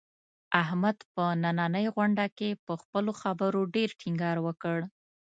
احمد په نننۍ غونډه کې، په خپلو خبرو ډېر ټینګار وکړ.